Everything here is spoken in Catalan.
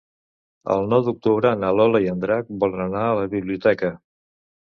El nou d'octubre na Lola i en Drac volen anar a la biblioteca.